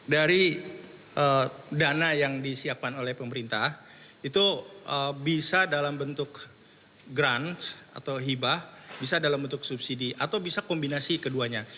dari dana yang disiapkan oleh pemerintah itu bisa dalam bentuk granch atau hibah bisa dalam bentuk subsidi atau bisa kombinasi keduanya